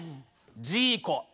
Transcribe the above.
ジーコ。